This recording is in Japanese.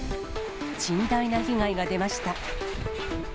甚大な被害が出ました。